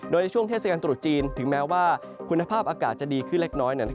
โดยในช่วงเทศกาลตรุษจีนถึงแม้ว่าคุณภาพอากาศจะดีขึ้นเล็กน้อย